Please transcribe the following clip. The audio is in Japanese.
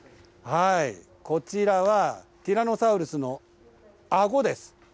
こちらは、ティラノサウルスのあごです。